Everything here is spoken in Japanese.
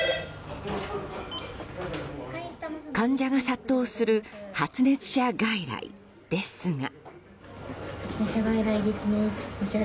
患者が殺到する発熱者外来ですが。